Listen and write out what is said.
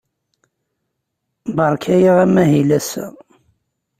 Beṛka-aɣ amahil ass-a.